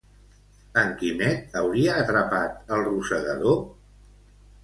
En Quimet hauria atrapat el rosegador?